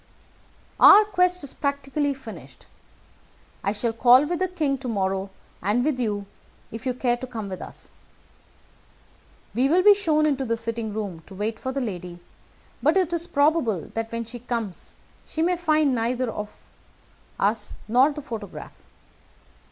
"Our quest is practically finished. I shall call with the king to morrow, and with you, if you care to come with us. We will be shown into the sitting room to wait for the lady, but it is probable that when she comes she may find neither us nor the photograph.